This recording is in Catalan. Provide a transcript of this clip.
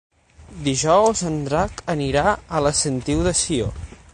Dijous en Drac anirà a la Sentiu de Sió.